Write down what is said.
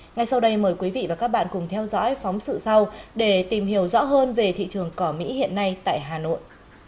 ngay sau đây mời quý vị và các bạn cùng theo dõi phóng sự sau để tìm hiểu rõ hơn về thị trường cỏ mỹ hiện nay tại hà nội